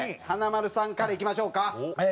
華丸さんからいきましょうか。